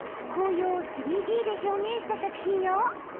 紅葉を３Ｄで表現した作品よ！